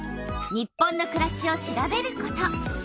「日本のくらし」を調べること。